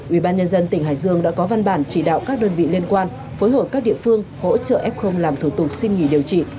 ubnd tỉnh hải dương đã có văn bản chỉ đạo các đơn vị liên quan phối hợp các địa phương hỗ trợ f làm thủ tục xin nghỉ điều trị